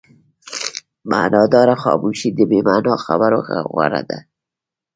معناداره خاموشي د بې معنا خبرو غوره ده.